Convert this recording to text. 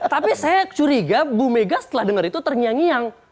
tapi saya curiga bu mega setelah dengar itu terngiang ngiang